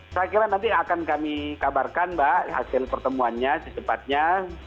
saya kira nanti akan kami kabarkan mbak hasil pertemuannya secepatnya